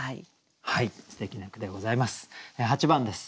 すてきな句でございます。